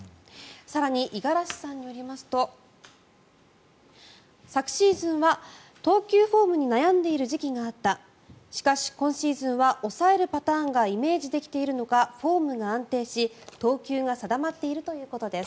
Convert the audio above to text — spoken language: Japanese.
更に五十嵐さんによりますと昨シーズンは投球フォームに悩んでいる時期があったしかし、今シーズンは抑えるパターンがイメージできているのかフォームが安定し、投球が定まっているということです。